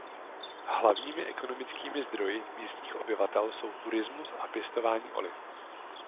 Hlavními ekonomickými zdroji místních obyvatel jsou turismus a pěstování oliv.